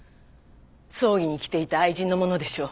葬儀に来ていた愛人のものでしょ？